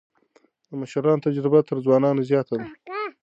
د مشرانو تجربه تر ځوانانو زياته ده.